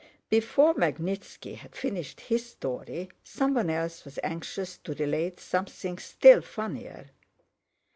Before Magnítski had finished his story someone else was anxious to relate something still funnier.